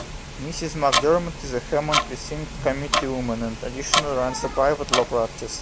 Mrs McDermott is a Hammond precinct committeewoman and additionally runs a private law practice.